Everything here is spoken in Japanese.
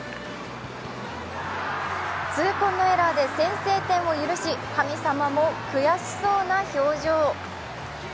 痛恨のエラーで先制点を許しかみ様も悔しそうな表情。